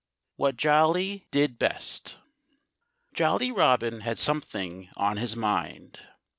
IV WHAT JOLLY DID BEST Jolly Robin had something on his mind.